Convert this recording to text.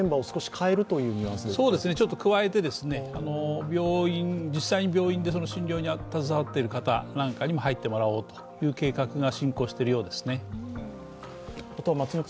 加えて、実際に病院で診療に携わっている方にも入ってもらおうという計画が進行しているようですね。